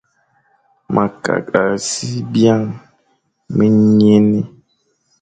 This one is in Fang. Me kagh a si byañ, me nyiñé,